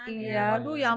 iya aduh ya ampun